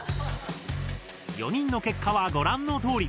４人の結果はご覧のとおり。